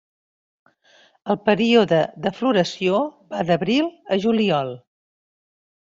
El període de floració va d'abril a juliol.